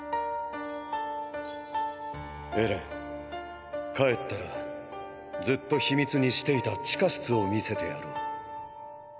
エレン帰ったらずっと秘密にしていた地下室を見せてやろう。